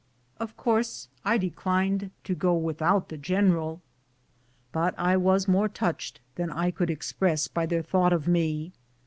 Of cours o I declined to go without the general, but I was morQ touched than I could express by their thought of me.